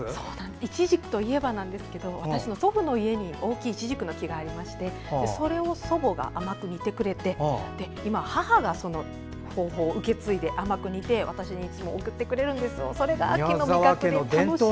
イチジクといえば私の祖母の家に大きなイチジクの木がありましてそれを、祖母が甘く煮てくれて今、母がその方法を受け継いで甘く煮て私に送ってくれるんです。